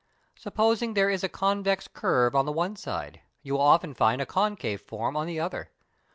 Supposing there is a convex curve on the one side, you will often have a concave form on the other.